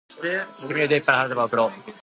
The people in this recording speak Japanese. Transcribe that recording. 君に腕いっぱいの花束を贈ろう